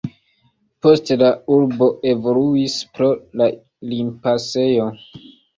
Poste la urbo evoluis pro la limpasejo.